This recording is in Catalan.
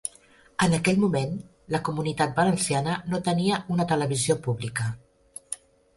En aquell moment, la Comunitat Valenciana no tenia una televisió pública.